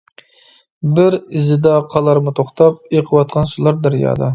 بىر ئىزىدا قالارمۇ توختاپ، ئېقىۋاتقان سۇلار دەريادا.